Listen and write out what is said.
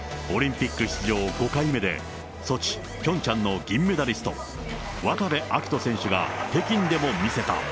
オリンピック出場５回目で、ソチ、ピョンチャンの銀メダリスト、渡部暁斗選手が北京でも見せた。